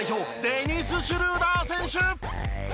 デニス・シュルーダー選手。